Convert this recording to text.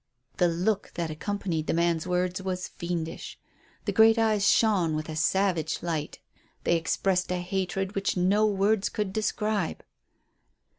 The look that accompanied the man's words was fiendish. The great eyes shone with a savage light They expressed a hatred which no words could describe.